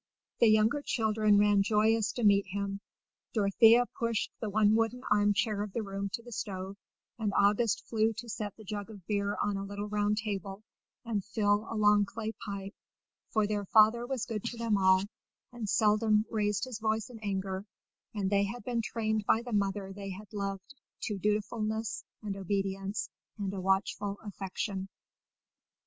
The younger children ran joyous to meet him. Dorothea pushed the one wooden arm chair of the room to the stove, and August flew to set the jug of beer on a little round table, and fill a long clay pipe; for their father was good to them all, and seldom raised his voice in anger, and they had been trained by the mother they had loved to dutifulness and obedience and a watchful affection.